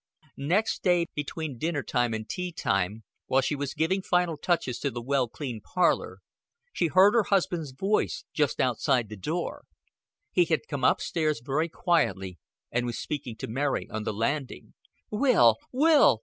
Next day, between dinner time and tea time, while she was giving final touches to the well cleaned parlor, she heard her husband's voice just outside the door. He had come up stairs very quietly and was speaking to Mary on the landing. "Will, Will!"